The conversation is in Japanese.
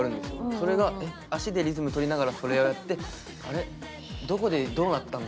それがえっ足でリズム取りながらそれをやってあれっどこでどうなったんだっけ？